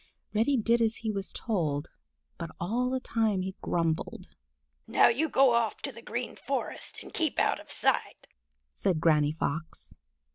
Reddy did as he was told, but all the time he grumbled. "Now you go off to the Green Forest and keep out of sight," said Granny Fox.